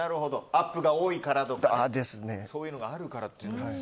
アップが多いからとかそういうのがあるから。